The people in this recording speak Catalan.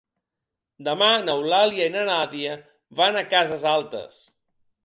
Demà n'Eulàlia i na Nàdia van a Cases Altes.